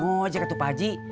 oh si ketupaji